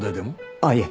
ああいえ。